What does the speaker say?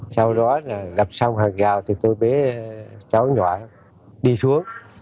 sau đó là đập xong hàng gào thì tôi bế cháu nhỏ đi xuống